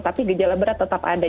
tapi gejala berat tetap ada